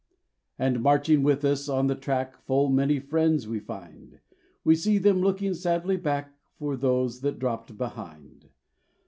And marching with us on the track Full many friends we find: We see them looking sadly back For those that dropped behind.